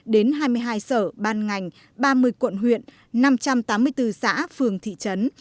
đến hai mươi hai sở ban ngành ba mươi quận huyện năm trăm tám mươi bốn xã phường thị trấn